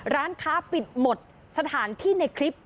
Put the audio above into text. ร้านค้าปิดหมดสถานที่ในคลิป